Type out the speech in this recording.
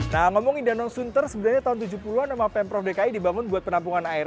nah ngomongin danau sunter sebenarnya tahun tujuh puluh an sama pemprov dki dibangun buat penampungan air